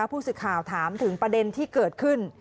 ผู้สื่อข่าวถามถึงประเด็นที่เกิดขึ้น